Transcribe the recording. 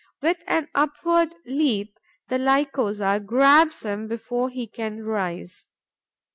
With an upward leap, the Lycosa grabs him before he can rise.